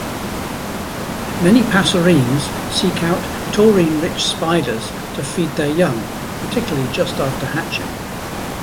Many passerines seek out taurine-rich spiders to feed their young, particularly just after hatching.